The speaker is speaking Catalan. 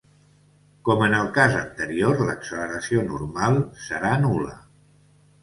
Com en el cas anterior l'acceleració normal serà nul·la.